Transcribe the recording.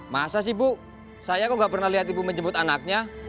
masa sih bu saya kok nggak pernah lihat ibu menjemput anaknya